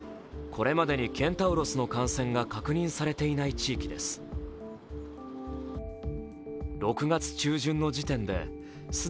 場所は神奈川県、これまでにケンタウロスの感染が確認されていない地域です。